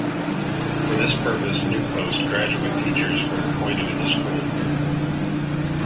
For this purpose New Post Graduate teachers were appointed in the school.